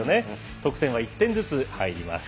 得点は１点ずつ入ります。